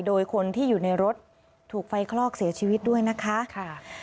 โดยคนที่อยู่ในรถถูกไฟคลอกเสียชีวิตด้วยนะคะ